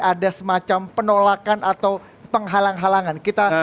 ada semacam penolakan atau penghalang halangan